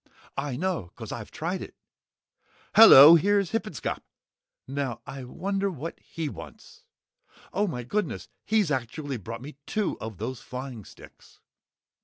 I know 'cause I've tried it. Hello here's Hippenscop! Now I wonder what he wants? Oh! My goodness! He's actually brought me two of those flying sticks!"